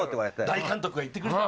大監督が言ってくれて。